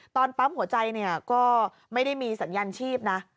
ตอนปั๊มหัวใจก็ไม่ได้มีสัญญาณชีพนะ